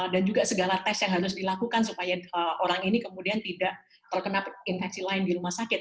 dan juga segala tes yang harus dilakukan supaya orang ini kemudian tidak terkena infeksi lain di rumah sakit